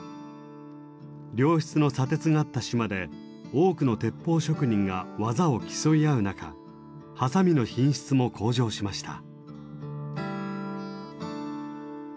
良質の砂鉄があった島で多くの鉄砲職人が技を競い合う中鋏の品質も向上しました。